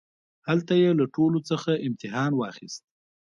هلته يې له ټولوڅخه امتحان واخيست.